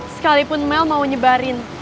sekalipun mel mau nyebarin